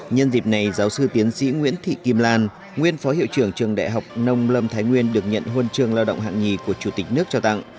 nhân dịp này giáo sư tiến sĩ nguyễn thị kim lan nguyên phó hiệu trưởng trường đại học nông lâm thái nguyên được nhận huân trường lao động hạng nhì của chủ tịch nước trao tặng